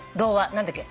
何だっけ？